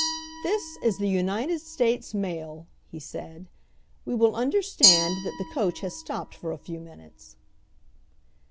"This is the United States mail," he said. "We will understand that the coach has stopped for a few minutes."